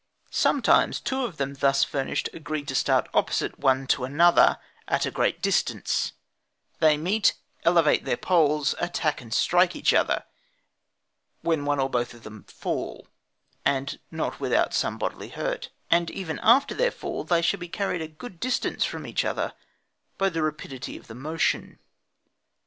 Sometimes two of them thus furnished agree to start opposite one to another, at a great distance; they meet, elevate their poles, attack and strike each other, when one or both of them fall, and not without some bodily hurt; and even after their fall they shall be carried a good distance from each other by the rapidity of the motion.